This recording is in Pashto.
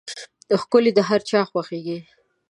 ښکلي د هر چا خوښېږي.